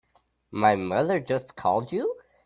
My mother just called you?